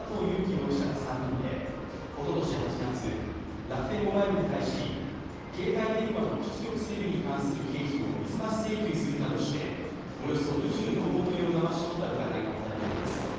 容疑者ら３人でおととし８月、楽天モバイルに対し、携帯電話の基地局整備に関する経費を水増し請求するなどして、およそ２４億円をだまし取った疑いが持たれています。